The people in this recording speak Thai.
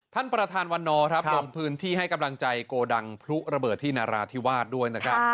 ท่านประธานวันนอร์ครับลงพื้นที่ให้กำลังใจโกดังพลุระเบิดที่นราธิวาสด้วยนะครับ